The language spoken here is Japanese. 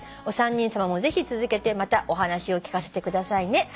「お三人さまもぜひ続けてまたお話を聞かせてくださいね」